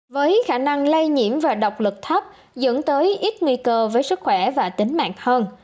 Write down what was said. với khả năng lây nhiễm và độc lực thấp dẫn tới ít nguy cơ với sức khỏe và tính mạng hơn